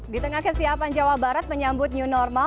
di tengah kesiapan jawa barat menyambut new normal